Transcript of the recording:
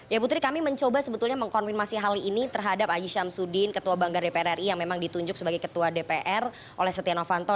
ya putri kami mencoba sebetulnya mengkonfirmasi hal ini terhadap aji syamsuddin ketua banggar dpr ri yang memang ditunjuk sebagai ketua dpr oleh setia novanto